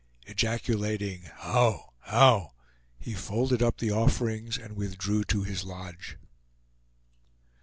Ejaculating HOW! HOW! he folded up the offerings and withdrew to his lodge.